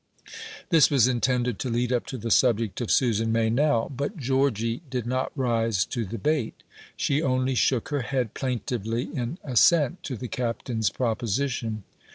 This was intended to lead up to the subject of Susan Meynell, but Georgy did not rise to the bait. She only shook her head plaintively in assent to the Captain's proposition.